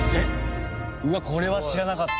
うわっこれは知らなかった。